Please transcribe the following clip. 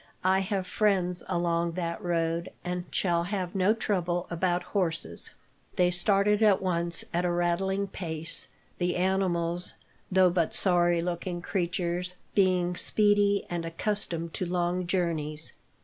"I have friends along that road, and shall have no trouble about horses." They started at once, at a rattling pace, the animals, though but sorry looking creatures, being speedy and accustomed to long journeys.